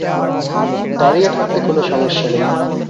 দাড়িঁয়ে থাকতে কোনো সমস্যা নেই।